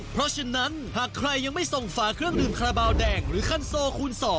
เพราะฉะนั้นหากใครยังไม่ส่งฝาเครื่องดื่มคาราบาลแดงหรือคันโซคูณ๒